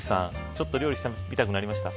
ちょっと料理したくなりました。